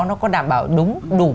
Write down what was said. nó có đảm bảo đúng không